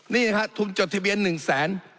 นี่นะครับทุนจดทะเบียน๑แสน